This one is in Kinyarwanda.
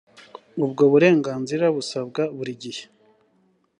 ubwo burenganzira busabwa buri gihe